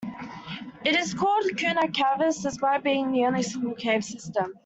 It is called Kuna Caves despite being only a single cave system.